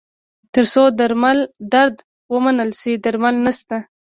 تر څو درد ومنل نه شي، درمل نشته.